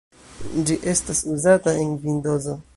Ĝi estas uzata en Vindozo.